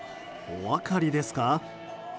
お分かりですか？